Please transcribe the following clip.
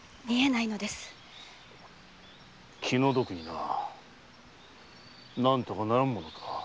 気の毒にな。何とかならんものかな。